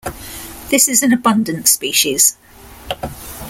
This is an abundant species.